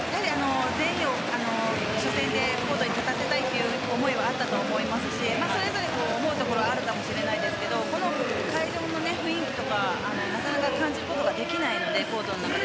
全員を初戦でコートに立たせたいという思いはあったと思いますしそれぞれ思うことがあるかもしれないですがこの会場の雰囲気とかはなかなか感じることができないので、コートの中で。